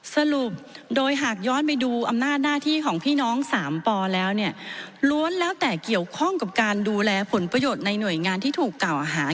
สรุปโดยหากย้อนไปดูอำนาจหน้าที่ของพี่น้อง๓ปแล้วเนี่ยล้วนแล้วแต่เกี่ยวข้องกับการดูแลผลประโยชน์ในหน่วยงานที่ถูกกล่าวหา